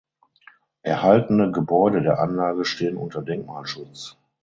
Erhaltene Gebäude der Anlage stehen unter Denkmalschutz.